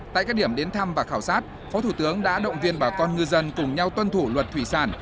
tại các điểm đến thăm và khảo sát phó thủ tướng đã động viên bà con ngư dân cùng nhau tuân thủ luật thủy sản